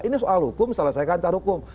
ini soal hukum selesaikan secara hukum